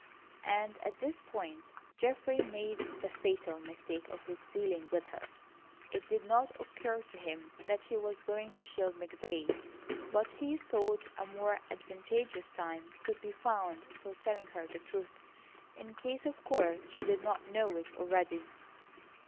And at this point Geoffrey made the fatal mistake of his dealing with her. It did not occur to him that he was going to shield McVay, but he thought a more advantageous time could be found for telling her the truth, in case of course she did not know it already.